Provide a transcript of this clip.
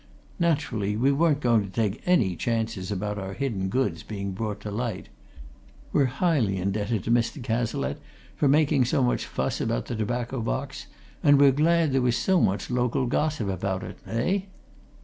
"Naturally, we weren't going to take any chances about our hidden goods being brought to light. We're highly indebted to Mr. Cazalette for making so much fuss about the tobacco box, and we're glad there was so much local gossip about it. Eh?"